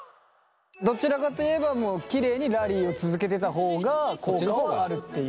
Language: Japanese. どちらかといえばもうきれいにラリーを続けてた方が効果はあるっていう。